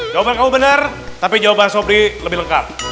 jawaban kamu benar tapi jawaban sobri lebih lengkap